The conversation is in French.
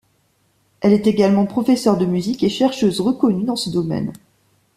Elle est également professeur de musique et chercheuse reconnu dans ce domaine.